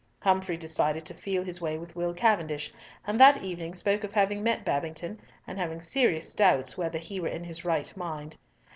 Humfrey decided to feel his way with Will Cavendish, and that evening spoke of having met Babington and having serious doubts whether he were in his right mind.